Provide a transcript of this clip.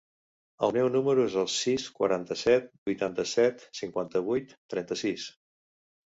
El meu número es el sis, quaranta-set, vuitanta-set, cinquanta-vuit, trenta-sis.